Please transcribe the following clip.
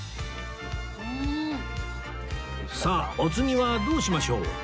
さあお次はどうしましょう？